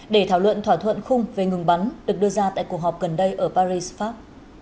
để thảo luận thỏa thuận khung về ngừng bắn được đưa ra tại cuộc họp gần đây ở paris pháp